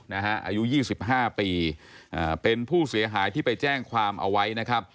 อายุ๒๕ปีเป็นผู้เสียหายที่ไปแจ้งความเอาไว้นะครับ